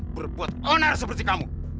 berbuat onar seperti kamu